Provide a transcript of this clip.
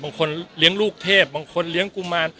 บางคนเลี้ยงลูกเทพบางคนเลี้ยงกุมาร